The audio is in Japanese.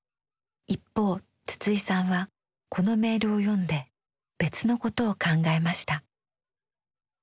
一方筒井さんはこのメールを読んで別のことを考えました。